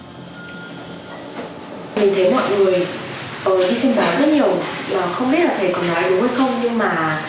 trong mạng tôi cũng thấy là